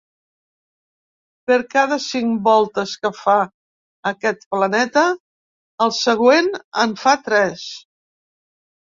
Per cada cinc voltes que fa aquest planeta, el següent en fa tres.